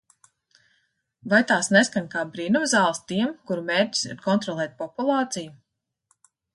Vai tās neskan kā brīnumzāles tiem, kuru mērķis ir kontrolēt populāciju?